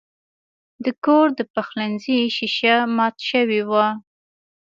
د کور د پخلنځي شیشه مات شوې وه.